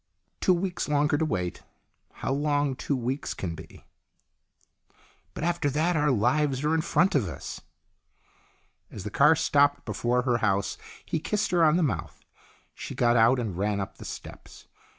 "Two weeks longer to wait. How long two weeks can be !"" But after that our lives are in front of us." As the car stopped before her house he kissed her on the mouth. She got out and ran up the steps.